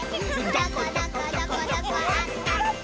「どこどこどこどこあったった」